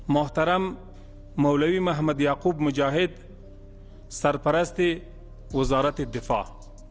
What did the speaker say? mahteram maulawi muhammad yaqub mujahid sarperest wazaratil defah